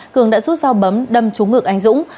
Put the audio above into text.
cường đã rút dao bấm đâm trúng ngược anh dũng